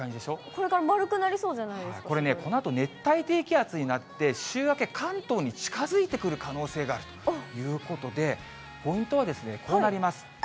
これが丸くなりそうじゃないこれがこのあと週明け、関東に近づいてくる可能性があるということで、ポイントはこうなります。